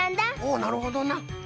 おなるほどな。